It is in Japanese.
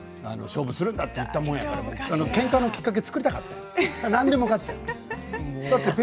勝負するんだと言ったもんやからけんかのきっかけを作りたかった何でもよかったんよ。